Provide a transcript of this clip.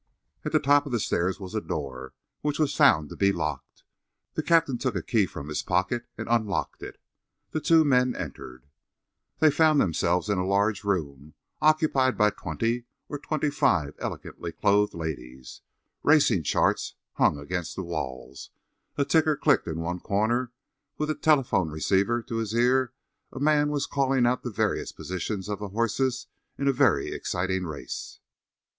At the top of the stairs was a door, which was found to be locked. The captain took a key from his pocket and unlocked it. The two men entered. They found themselves in a large room, occupied by twenty or twenty five elegantly clothed ladies. Racing charts hung against the walls, a ticker clicked in one corner; with a telephone receiver to his ear a man was calling out the various positions of the horses in a very exciting race.